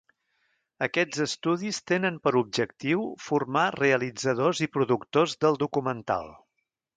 Aquests estudis tenen per objectiu formar realitzadors i productors del documental.